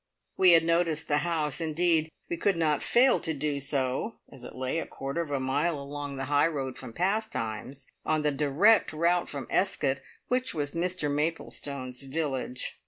We had noticed the house, indeed, we could not fail to do so, as it lay a quarter of a mile along the high road from Pastimes, on the direct route from Escott, which was Mr Maplestone's village.